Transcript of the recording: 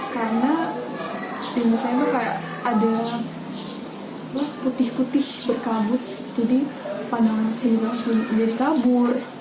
karena di masa itu ada putih putih berkabut jadi pandangan saya juga berkabur